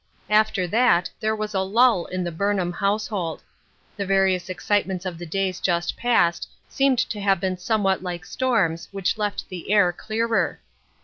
AFTER that there was a lull in the Burnham household. The various excitements of the clays just passed seemed to have been somewhat like storms, which left the air clearer.